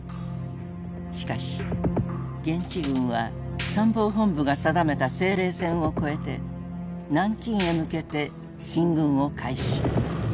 しかし現地軍は参謀本部が定めた制令線を越えて南京へ向けて進軍を開始。